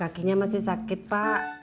kakinya masih sakit pak